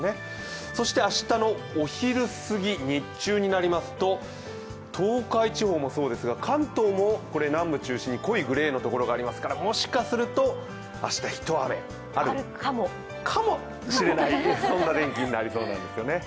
そして明日のお昼すぎ、日中になりますと東海地方もそうですが関東も南部中心に濃いグレーのところがありますから、明日、一雨あるかもしれない、そんな天気になりそうです。